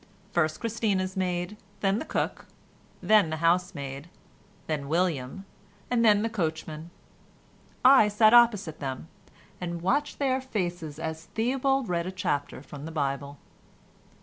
First Christina's maid, then the cook, then the housemaid, then William, and then the coachman. I sat opposite them, and watched their faces as Theobald read a chapter from the Bible.